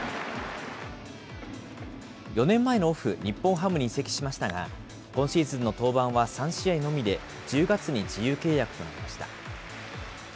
４年前のオフ、日本ハムに移籍しましたが、今シーズンの登板は３試合のみで、１０月に自由契約となりました。